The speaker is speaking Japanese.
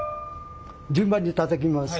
順番にたたきます。